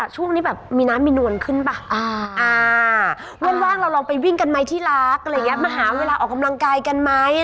ช่วงนี้แบบมีน้ำมีนวลขึ้นป่ะว่างเราลองไปวิ่งกันไหมที่รักอะไรอย่างนี้มาหาเวลาออกกำลังกายกันไหม